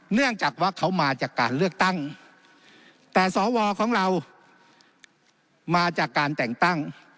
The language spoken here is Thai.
เนื่องจากว่าเขามาจากการเลือกตั้งแต่สวของเรามาจากการแต่งตั้ง